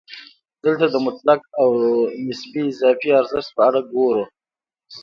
دلته د مطلق او نسبي اضافي ارزښت په اړه ګورو